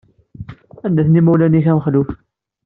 Anda-ten imawlan-ik a Mexluf?